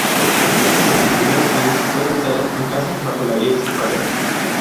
En sus primeros años fue educado en casa bajo la guía de su padre.